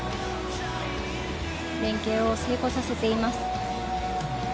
連係を成功させています。